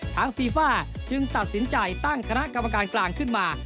ฟีฟ่าจึงตัดสินใจตั้งคณะกรรมการกลางขึ้นมา